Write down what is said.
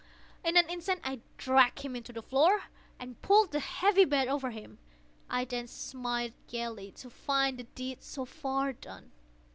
In an instant I dragged him to the floor, and pulled the heavy bed over him. I then smiled gaily, to find the deed so far done.